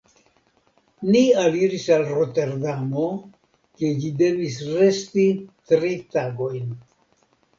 Ni aliris al Roterdamo, kie ĝi devis resti tri tagojn.